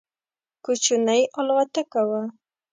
کوچنۍ الوتکه وه.